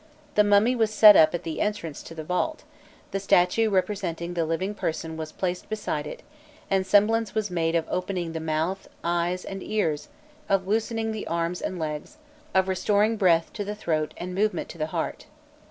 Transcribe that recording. The mummy was set up at the entrance to the vault; the statue representing the living person was placed beside it, and semblance was made of opening the mouth, eyes, and ears, of loosing the arms and legs, of restoring breath to the throat and movement to the heart.